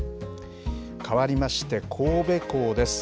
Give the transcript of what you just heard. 変わりまして、神戸港です。